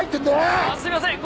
あすいません！